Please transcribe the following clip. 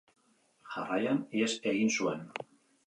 Jarraian, ihes egin zuen.